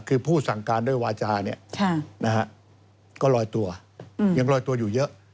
คือผู้สั่งการด้วยวาจาเนี่ยนะฮะก็ลอยตัวยังลอยตัวอยู่เยอะ